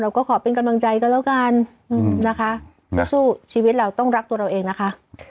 ขอเป็นกำลังใจก็แล้วกันนะคะสู้ชีวิตเราต้องรักตัวเราเองนะคะ